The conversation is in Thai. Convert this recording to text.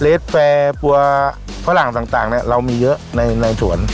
แฟร์ตัวฝรั่งต่างเรามีเยอะในสวน